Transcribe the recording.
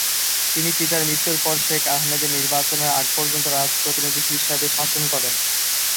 তিনি পিতার মৃত্যুর পর শেখ আহমদের নির্বাচনের আগ পর্যন্ত রাজপ্রতিনিধি হিসাবে শাসন করেন।